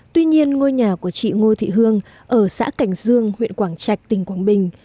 tuy nhiên ngôi nhà của chị ngô thị hương ở xã cảnh dương huyện quảng trạch tỉnh quảng bình